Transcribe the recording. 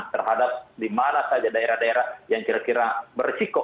terhadap di mana saja daerah daerah yang kira kira berisiko